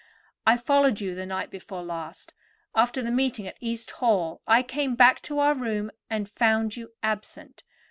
I followed you the night before last. After the meeting at East Hall I came back to our room and found you absent.